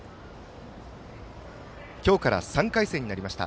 今日から３回戦になりました。